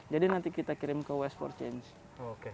jadi nanti kita kirim ke waste for change